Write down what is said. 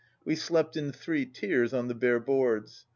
We slept in three tiers on the bare boards.